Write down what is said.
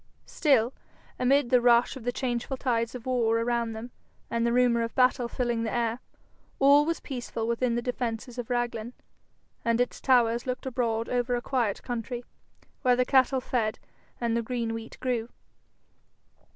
Still, amid the rush of the changeful tides of war around them, and the rumour of battle filling the air, all was peaceful within the defences of Raglan, and its towers looked abroad over a quiet country, where the cattle fed and the green wheat grew.